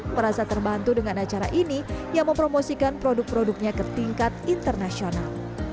merasa terbantu dengan acara ini yang mempromosikan produk produknya ke tingkat internasional